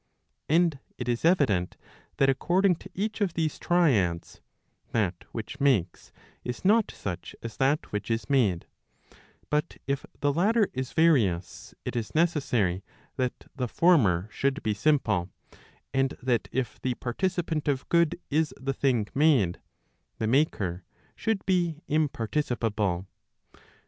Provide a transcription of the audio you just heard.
And it is evident that according to each of these triads, that which makes is not such as that which is made, but if the latter is various, it is necessary that the former should be simple, and that if the participant of good is the thing made, the maker should be imparticipable.